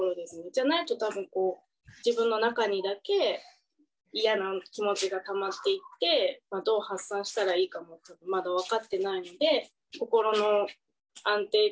じゃないと多分こう自分の中にだけ嫌な気持ちがたまっていってどう発散したらいいかまだ分かってないのでうん心配ですねえ。